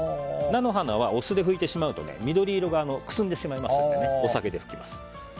菜の花はお酢で拭いてしまうと緑色がくすんでしまいますのでお酒で拭きます。